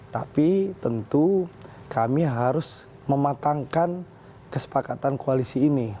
tapi tentu kami harus mematangkan kesepakatan koalisi ini